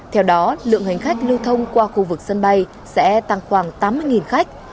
theo đó lượng hành khách lưu thông qua khu vực sân bay sẽ tăng khoảng tám mươi khách